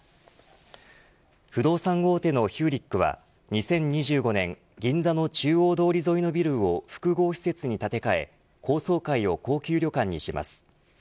不動産大手のヒューリックは２０２５年、銀座の中央通り沿いのビルを複合施設に建て替え高層階を高級旅館にします。